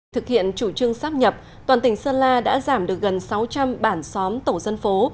thực hiện chủ trương sắp nhập toàn tỉnh sơn la đã giảm được gần sáu trăm linh bản xóm tổ dân phố